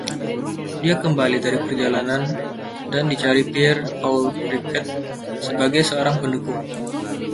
Dia kembali dari perjalanan dan dicari Pierre-Paul Riquet sebagai seorang pendukung.